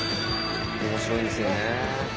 面白いんですよね。